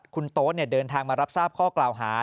คุณโต๊ะเดินทางมารับทราบข้อกล่าวหา